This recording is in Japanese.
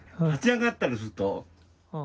立ち上がったりすると。